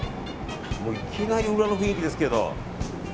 いきなり裏の雰囲気ですけど。